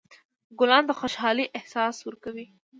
ګلان د خوشحالۍ احساس ورکوي.